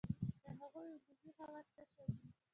د هغو عمومي خواص څه شی دي؟